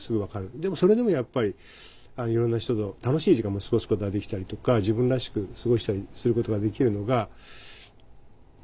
でもそれでもやっぱりいろんな人と楽しい時間も過ごすことができたりとか自分らしく過ごしたりすることができるのが許せないのかもね。